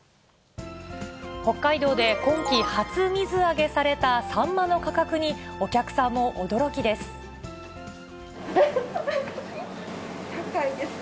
北海道で今季初水揚げされたサンマの価格に、お客さんも驚きです。